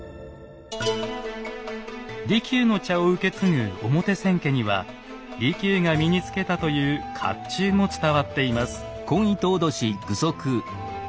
利休の茶を受け継ぐ表千家には利休が身につけたという甲冑も伝わっています。